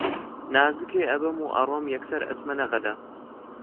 نازکێ ئەبەم و ئەڕۆم یەکسەر ئەچمە نەغەدە